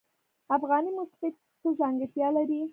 افغاني موسیقی څه ځانګړتیا لري؟